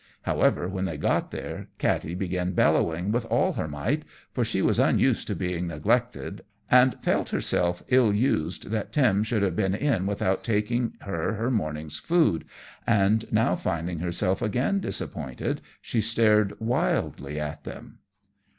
However, when they got there Katty began bellowing with all her might, for she was unused to being neglected, and felt herself ill used that Tim should have been in without taking her her morning's food, and now finding herself again disappointed, she stared wildly at them.